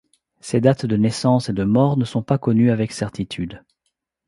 Ses dates de naissance et de mort ne sont pas connues avec certitude.